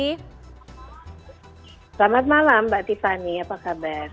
selamat malam mbak tiffany apa kabar